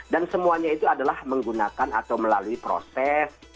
dan semuanya itu adalah menggunakan atau melalui proses